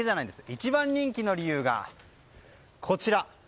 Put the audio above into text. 一番人気の理由が、こちら。